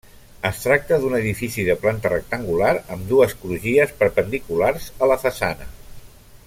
Es tracta d'un edifici de planta rectangular amb dues crugies perpendiculars a la façana.